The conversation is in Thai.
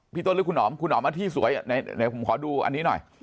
พี่โต๊ะหรือคุณหนอมคุณหนอมที่สวยผมขอดูอันนี้หน่อย